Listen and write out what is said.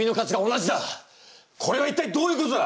これは一体どういうことだ！？